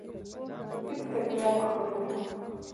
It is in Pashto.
ټيک ده، بيا به خبرې وکړو